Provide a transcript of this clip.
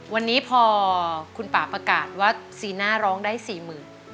วันนี้พอคุณป่าประกาศว่าซีน่าร้องได้๔๐๐๐บาท